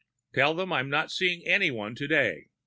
"Tell them I'm not seeing anyone today.